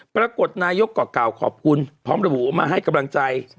ปรากฏนายกก็กล่าวขอบคุณพร้อมระบุว่ามาให้กำลังใจ